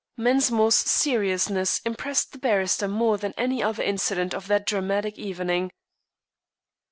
Mensmore's seriousness impressed the barrister more than any other incident of that dramatic evening.